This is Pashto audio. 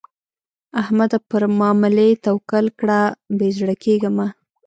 احمده؛ پر ماملې توکل کړه؛ بې زړه کېږه مه.